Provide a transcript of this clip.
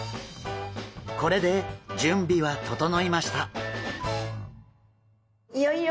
これで準備は整いました！